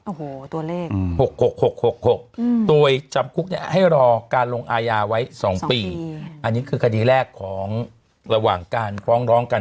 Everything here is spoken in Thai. โอ้โหตัวเลข๖๖๖๖ตัวจำคุกเนี่ยให้รอการลงอายาไว้๒ปีอันนี้คือคดีแรกของระหว่างการฟ้องร้องกัน